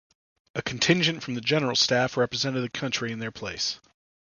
A contingent from the General Staff represented the country in their place.